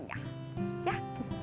banyak pelajarannya kan yang ketinggalan